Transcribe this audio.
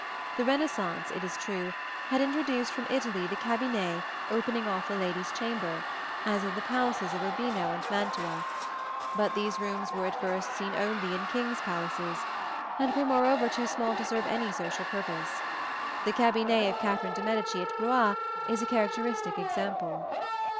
The Renaissance, it is true, had introduced from Italy the cabinet opening off the lady's chamber, as in the palaces of Urbino and Mantua; but these rooms were at first seen only in kings' palaces, and were, moreover, too small to serve any social purpose. The cabinet of Catherine de' Medici at Blois is a characteristic example.